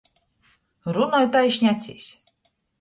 Runoj taišni acīs.